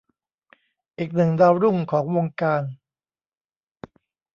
อีกหนึ่งดาวรุ่งของวงการ